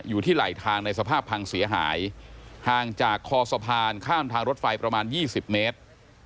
อยู่ที่ไหลทางในสภาพพังเสียหายห่างจากคอสะพานข้ามทางรถไฟประมาณ๒๐เมตร